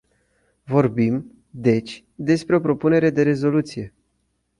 Vorbim, deci, despre o propunere de rezoluție.